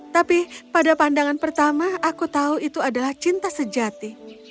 tapi pada pandangan pertama aku tahu itu adalah cinta sejati